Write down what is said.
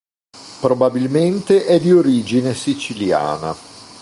Probabilmente è di origine siciliana.